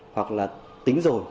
hoặc là tính rồi